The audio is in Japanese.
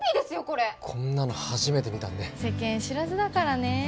これこんなの初めて見たんで世間知らずだからねえ